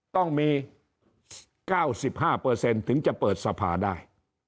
ต้องมี๙๕เปอร์เซ็นต์ถึงจะเปิดสภาได้